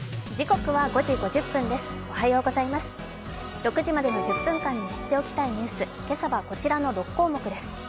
６時までの１０分間に知っておきたいニュース、今朝はこちらの６項目です。